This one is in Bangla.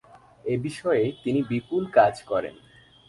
এ বিষয়ে তিনি বিপুল কাজ করেন।